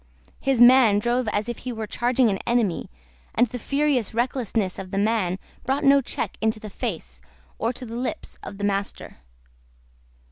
His man drove as if he were charging an enemy, and the furious recklessness of the man brought no check into the face, or to the lips, of the master.